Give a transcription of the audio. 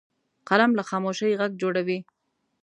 قلم له خاموشۍ غږ جوړوي